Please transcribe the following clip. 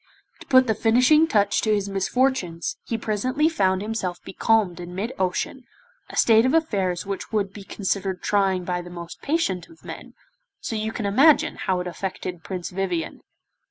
To put the finishing touch to his misfortunes he presently found himself becalmed in mid ocean, a state of affairs which would be considered trying by the most patient of men, so you may imagine how it affected Prince Vivien!